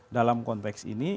dalam konteks ini